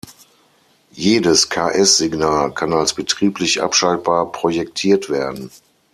Jedes Ks-Signal kann als betrieblich abschaltbar projektiert werden.